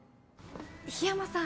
緋山さん。